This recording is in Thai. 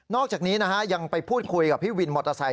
อกจากนี้ยังไปพูดคุยกับพี่วินมอเตอร์ไซค